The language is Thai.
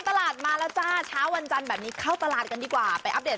ตลาดมาแล้วจ้าเช้าวันจันทร์แบบนี้เข้าตลาดกันดีกว่าไปอัปเดต